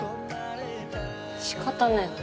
仕方ねえな。